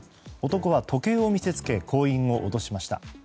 男は、時計を見せつけ行員を脅しました。